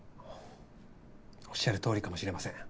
おっしゃる通りかもしれません。